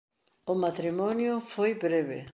O matrimonio foi breve.